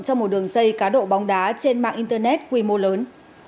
trong một đường dây cá độ bóng đá trên mạng internet quy mô lớn